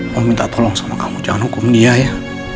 mohon minta tolong sama kamu jangan hukum dia ya